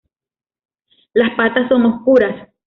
Las patas son oscuras.